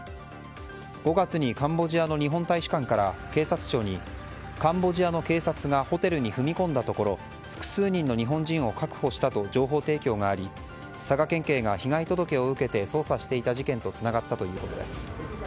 ５月にカンボジアの日本大使館から警察庁にカンボジアの警察がホテルに踏み込んだところ複数人の日本人を確保したと情報提供があり佐賀県警が被害届を受け捜査していた事件とつながったということです。